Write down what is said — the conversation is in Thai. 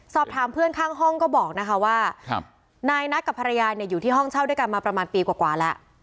สอบถามเพื่อนข้างห้องก็บอกนะคะว่านายนัทกับภรรยาเนี่ยอยู่ที่ห้องเช่าด้วยกันมาประมาณปีกว่าแล้ว